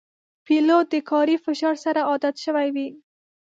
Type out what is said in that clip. پیلوټ د کاري فشار سره عادت شوی وي.